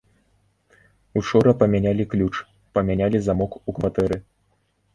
Учора памянялі ключ, памянялі замок у кватэры.